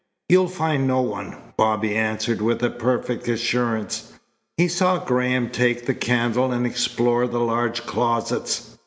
"You'll find no one," Bobby answered with a perfect assurance. He saw Graham take the candle and explore the large closets.